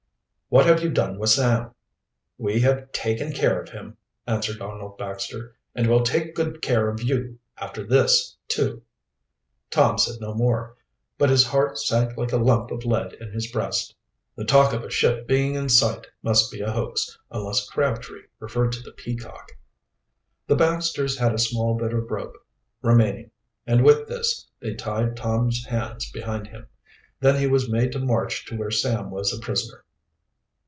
"What have you done with Sam?" "We have taken care of him," answered Arnold Baxter. "And we'll take good care of you after this, too." Tom said no more, but his heart sank like a lump of lead in his breast. The talk of a ship being in sight must be a hoax, unless Crabtree referred to the Peacock. The Baxters had a small bit of rope remaining, and with this they tied Tom's hands behind him. Then he was made to march to where Sam was a prisoner.